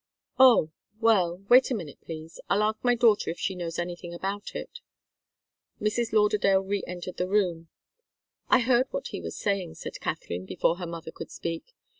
"Oh! Well wait a minute, please. I'll ask my daughter if she knows anything about it." Mrs. Lauderdale re entered the room. "I heard what he was saying," said Katharine, before her mother could speak.